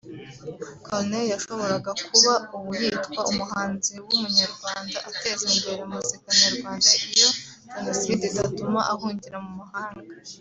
Corneille yashoboraga kuba ubu yitwa umuhanzi w’umunyarwanda ateza imbere muzika nyarwanda iyo jenoside idatuma ahungira mu mahanga